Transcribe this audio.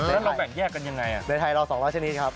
แล้วเราแบ่งแยกกันยังไงในไทยเรา๒๐๐ชนิดครับ